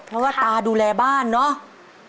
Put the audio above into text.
เพราะว่าตาดูแลบ้านเนาะ